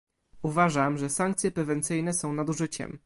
Uważam, że sankcje prewencyjne są nadużyciem